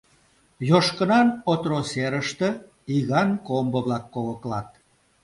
Йошкынан отро серыште иган комбо-влак когоклат.